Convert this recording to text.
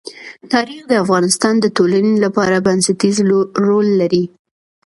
تاریخ د افغانستان د ټولنې لپاره بنسټيز رول لري.